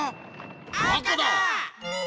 あかだ！